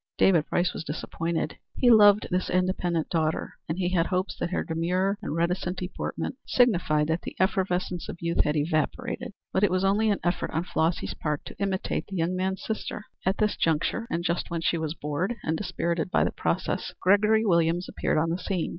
David Price was disappointed. He loved this independent daughter, and he had hopes that her demure and reticent deportment signified that the effervescence of youth had evaporated. But it was only an effort on Flossy's part to imitate the young man's sister. At this juncture and just when she was bored and dispirited by the process, Gregory Williams appeared on the scene.